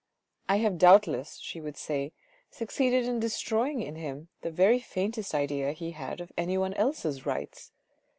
" I have doubtless," she would say, " succeeded in destroy ing in him the very faintest idea he had of any one else's rights."